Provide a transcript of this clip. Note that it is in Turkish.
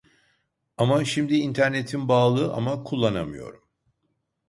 Ama şimdi internetim bağlı ama kullanamıyorum